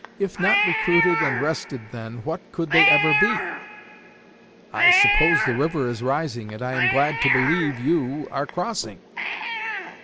If not recruited and rested then, when could they ever be? _I suppose the river is rising, and I am glad to believe you, are crossing.